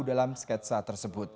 dalam sketsa tersebut